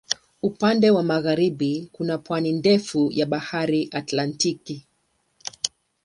Upande wa magharibi kuna pwani ndefu ya Bahari Atlantiki.